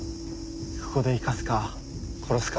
ここで生かすか殺すか。